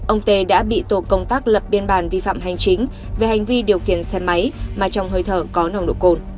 ông tê đã bị tổ công tác lập biên bản vi phạm hành chính về hành vi điều khiển xe máy mà trong hơi thở có nồng độ cồn